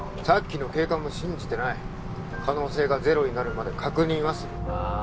さっきの警官も信じてない可能性がゼロになるまで確認はするあ